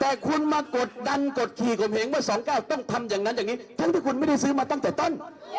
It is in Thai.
แต่คุณมากดดันกฎขี่ผมเองเมื่อ๒๙ต้องทำอย่างนั้นอย่างนี้ทั้งที่คุณไม่ได้ซื้อมาตั้งแต่ต้น